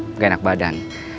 nggak enak badan